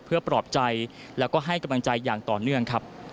เพื่อปลอบใจแล้วก็ให้กำลังใจอย่างต่อเนื่องครับ